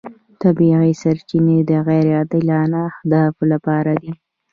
طبیعي سرچینې د غیر عادلانه اهدافو لپاره دي.